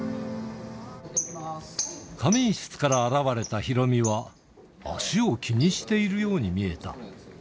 仮眠室から現れたヒロミは、足を気にしているように見えた。